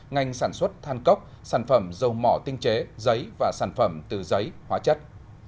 ngành sản xuất than cốc sản phẩm dầu mỏ tinh chế giấy và sản phẩm từ giấy hóa chất